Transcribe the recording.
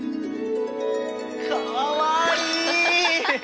かわいい。